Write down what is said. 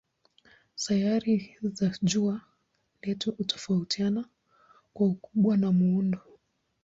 Sayari za jua letu hutofautiana kwa ukubwa na muundo.